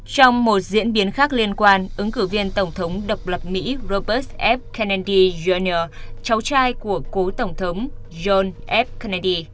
trong một diễn biến khác liên quan ứng cử viên tổng thống độc lập mỹ robert f kennedy jr cháu trai của cố tổng thống john f kennedy